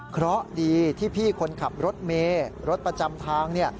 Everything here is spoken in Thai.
เพราะดีที่พี่คนขับรถเมย์รถประจำทาง